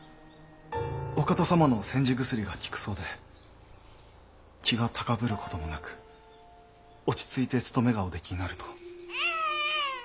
お方様の煎じ薬が効くそうで気が高ぶることもなく落ち着いて務めがおできになると。